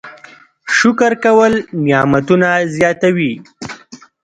شکر کول نعمتونه زیاتوي